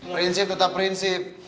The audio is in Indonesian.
prinsip tetap prinsip